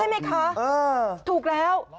ใช่ไหมค่ะถูกแล้ว